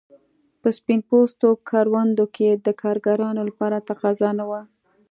په سپین پوستو کروندو کې د کارګرانو لپاره تقاضا نه وه.